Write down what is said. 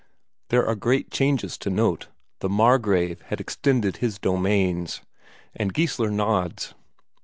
There are great changes to note; the Margrave had extended his domains. And Geissler nods.